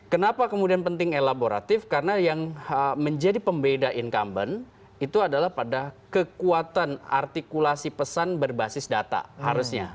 kenapa kemudian penting elaboratif karena yang menjadi pembeda incumbent itu adalah pada kekuatan artikulasi pesan berbasis data harusnya